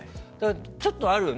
ちょっとあるよね？